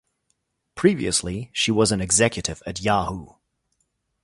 Previously, she was an executive at Yahoo!